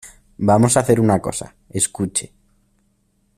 vamos a hacer una cosa. escuche .